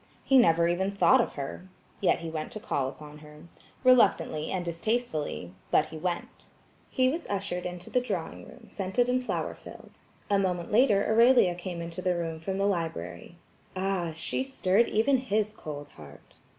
He never even thought of her. Yet he went to call upon her. Reluctantly and distastefully–but he went. He was ushered into the drawing room scented and flower filled. A moment later Aurelia came into the room from the library. Ah, she stirred even his cold heart.